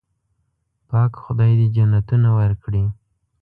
پاک خدای دې جنتونه ورکړي.